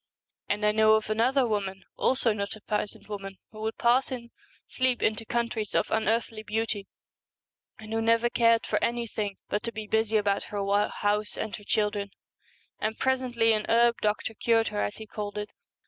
And I know of another woman, also not a peasant woman, who would pass in sleep into countries of an unearthly beauty, and who never cared for anything but to be busy about her house and her children ; and presently an herb doctor cured her, as he called it.